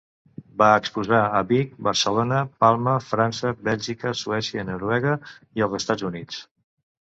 Va exposar a Vic, Barcelona, Palma, França, Bèlgica, Suècia, Noruega i els Estats Units.